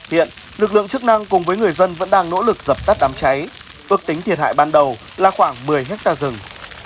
hiện lực lượng chức năng cùng với người dân vẫn đang nỗ lực dập tắt đám cháy ước tính thiệt hại ban đầu là khoảng một mươi hectare rừng